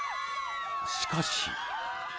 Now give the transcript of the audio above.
しかし。